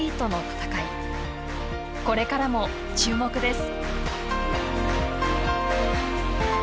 これからも注目です。